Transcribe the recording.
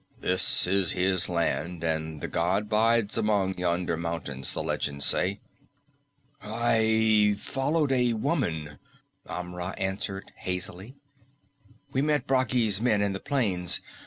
"This is his land and the god bides among yonder mountains, the legends say." "I followed a woman," Amra answered hazily. "We met Bragi's men in the plains.